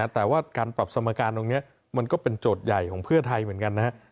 แต่ว่าการปรับสมการตรงนี้มันก็เป็นโจทย์ใหญ่ของเพื่อไทยเหมือนกันนะครับ